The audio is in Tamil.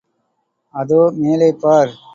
அதோ மேலே பார்.